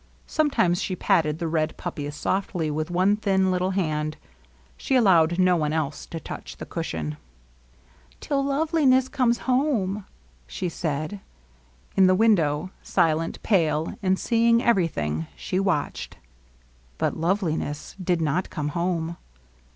Sometimes she patted the red puppies softly with one thin Uttle hand; she allowed no one else to touch the cushion. ^' Till LoYeliness comes home/' she said. In the window, silent, pale, and seeing everything, she watched. But LoveUness did not come home.